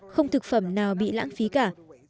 không thực phẩm nào bị lãng phí cả